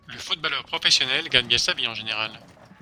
Le footballeur professionnel gagne bien sa vie en général